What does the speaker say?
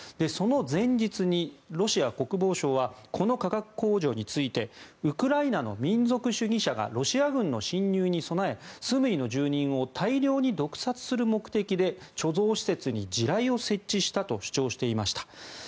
その前日にロシア国防省はこの化学工場についてウクライナの民族主義者がロシア軍の侵入に備えスムイの住人を大量に毒殺する目的で貯蔵施設に地雷を設置したと主張していました。